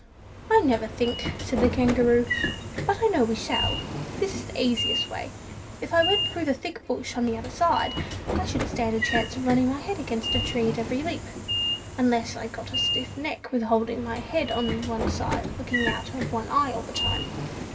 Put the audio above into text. "I never think," said the Kangaroo, "but I know we shall. This is the easiest way. If I went through the thick bush on the other side, I should stand a chance of running my head against a tree at every leap, unless I got a stiff neck with holding my head on one side looking out of one eye all the time.